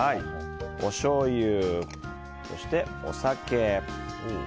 おしょうゆそしてお酒。